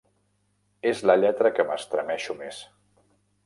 És la lletra que m'estremeixo més.